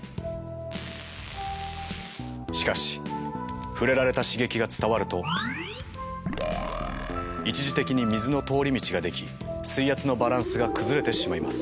しかし触れられた刺激が伝わると一時的に水の通り道が出来水圧のバランスが崩れてしまいます。